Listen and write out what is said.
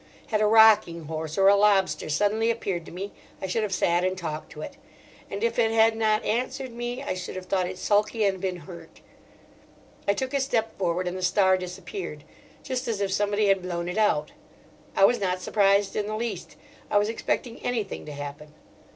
Had a rocking horse or a lobster suddenly appeared to me I should have sat and talked to it; and if it had not answered me I should have thought it sulky and been hurt. I took a step forward and the star disappeared, just as if somebody had blown it out. I was not surprised in the least. I was expecting anything to happen.